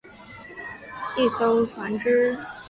是美国海军的一艘船只。